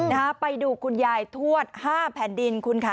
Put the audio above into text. นะครับไปดูคุณยายทวด๕แผนดินคุณคะ